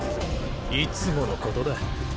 いつものことだ。